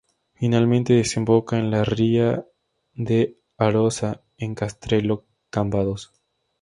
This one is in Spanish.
Finalmente desemboca en la ría de Arosa en Castrelo, Cambados.